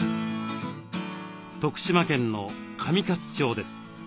徳島県の上勝町です。